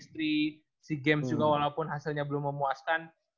seri sea games juga walaupun hasilnya belum memuaskan